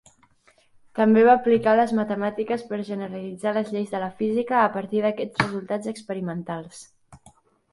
També va aplicar les matemàtiques per generalitzar les lleis de la física a partir d'aquests resultats experimentals.